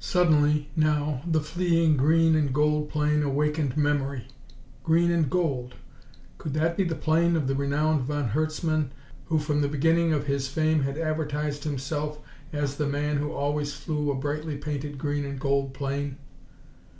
Suddenly, now, the fleeing green and gold plane awakened memory. Green and gold! Could that be the plane of the renowned von Herzmann, who from the beginning of his fame had advertised himself as the man who always flew a brightly painted green and gold plane?